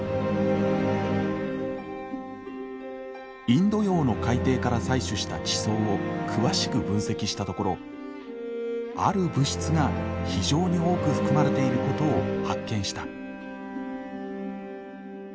インド洋の海底から採取した地層を詳しく分析したところある物質が非常に多く含まれていることを発見した。